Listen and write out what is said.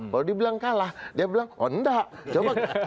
kalau dibilang kalah dia bilang oh enggak coba